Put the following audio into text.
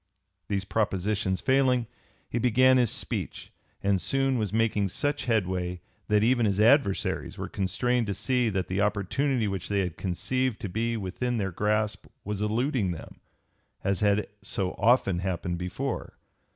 These propositions failing, he began his speech and soon was making such headway that even his adversaries were constrained to see that the opportunity which they had conceived to be within their grasp was eluding them, as had so often happened before.